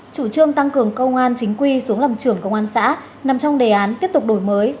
chủ trương tăng cường công an chính quy xuống làm trưởng công an xã nằm trong đề án tiếp tục đổi mới